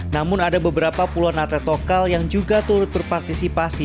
namun ada beberapa pulau natal tokal yang juga turut berpartisipasi